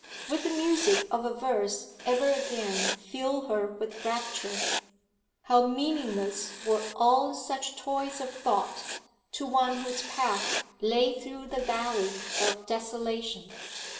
Would the music of a verse ever again fill her with rapture? How meaningless were all such toys of thought to one whose path lay through the valley of desolation!